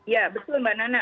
ya betul mbak nana